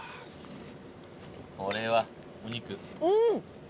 これはお肉。